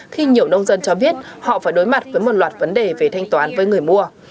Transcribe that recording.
khi nhiều nông dân cho biết họ phải đối mặt với một loạt vấn đề về thanh toán với người mua